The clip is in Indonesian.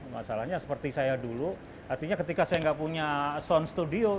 masalahnya seperti saya dulu artinya ketika saya nggak punya sound studio